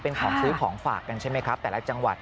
เป็นของซื้อของฝากกันใช่ไหมครับแต่ละจังหวัด